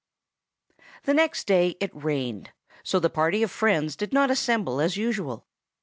THE next day it rained, so the party of friends did not assemble as usual.